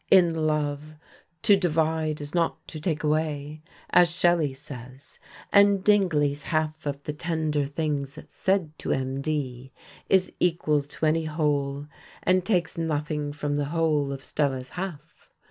In love "to divide is not to take away," as Shelley says; and Dingley's half of the tender things said to MD is equal to any whole, and takes nothing from the whole of Stella's half.